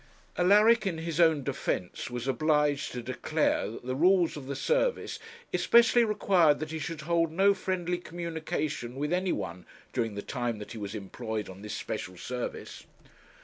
Alaric, in his own defence, was obliged to declare that the rules of the service especially required that he should hold no friendly communication with any one during the time that he was employed on this special service.